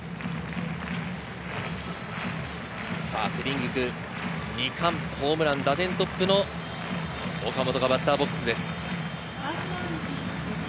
セ・リーグ２冠ホームラン、打点トップの岡本がバッターボックスです。